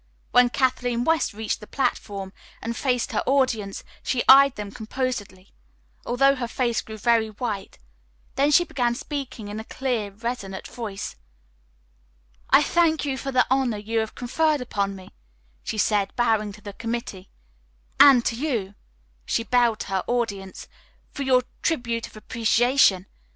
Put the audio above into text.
When Kathleen West reached the platform and faced her audience she eyed them composedly, although her face grew very white; then she began speaking in a clear, resonant voice: "I thank you for the honor you have conferred upon me," she said, bowing to the committee, "and to you," she bowed to her audience, "for your tribute of appreciation.